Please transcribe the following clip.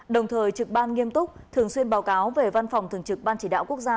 đồng thời trực ban nghiêm túc thường xuyên báo cáo về văn phòng thường trực ban chỉ đạo quốc gia